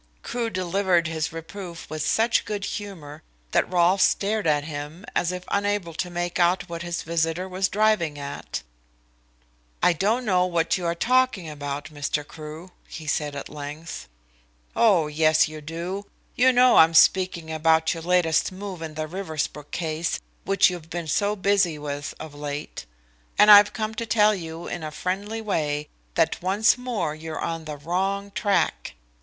Crewe delivered his reproof with such good humour that Rolfe stared at him, as if unable to make out what his visitor was driving at. "I don't know what you are talking about, Mr. Crewe," he said at length. "Oh, yes, you do. You know I'm speaking about your latest move in the Riversbrook case, which you've been so busy with of late. And I've come to tell you in a friendly way that once more you're on the wrong track."